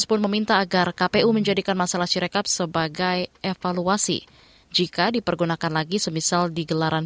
pertama kali kita berkahwin